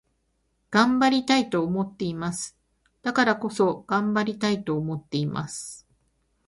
頑張りたいと思っています。だからこそ、頑張りたいと思っています。